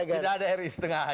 tidak ada ri setengah